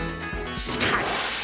しかし。